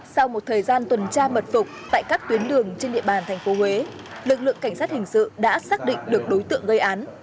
sau một thời gian tuần tra mật phục tại các tuyến đường trên địa bàn tp huế lực lượng cảnh sát hình sự đã xác định được đối tượng gây án